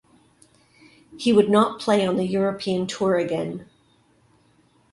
He would not play on the European Tour again.